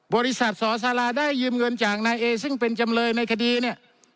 บริษัทสอสาราได้ยืมเงินจากนายเอซึ่งเป็นจำเลยในคดีเนี่ย